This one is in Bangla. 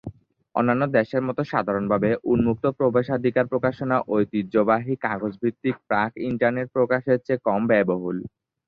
অন্যান্য দেশের মতো সাধারণভাবে, উন্মুক্ত প্রবেশাধিকার প্রকাশনা ঐতিহ্যবাহী, কাগজ-ভিত্তিক, প্রাক- ইন্টারনেট প্রকাশের চেয়ে কম ব্যয়বহুল।